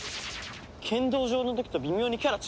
剣道場の時と微妙にキャラ違くない？